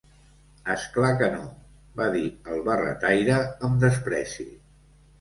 "És clar, que no!", va dir el barretaire amb despreci.